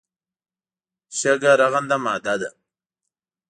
شګه رغنده ماده ده.